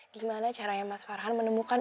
gimana caranya mas farhan menemukan